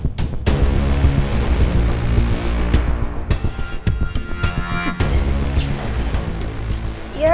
soal pembunuhan roy